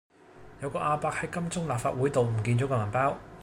有個亞伯喺金鐘立法會道唔見左個銀包